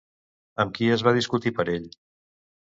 Amb qui es va discutir per ell?